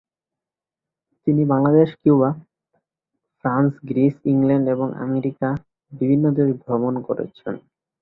তিনি Bangladesh, Cuba, France, Greece, England এবং America বিভিন্ন দেশ ভ্রমণ করেছেন।